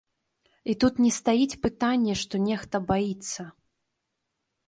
І тут не стаіць пытанне, што нехта баіцца.